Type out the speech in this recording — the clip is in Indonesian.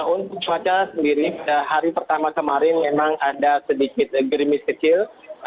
untuk cuaca sendiri pada hari pertama kemarin memang ada sedikit gerimis kecil